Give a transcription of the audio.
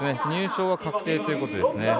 入賞は確定ということですね。